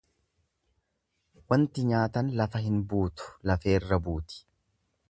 Wanti nyaatan lafa hin buutu lafeerra buuti.